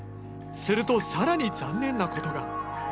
するとさらに残念なことが。